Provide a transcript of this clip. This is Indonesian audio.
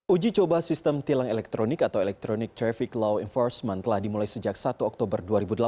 uji coba sistem tilang elektronik atau electronic traffic law enforcement telah dimulai sejak satu oktober dua ribu delapan belas